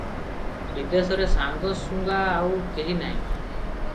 ବିଦେଶରେ ସାଙ୍ଗସୁଙ୍ଗା ଆଉ, କେହି ନାହିଁ ।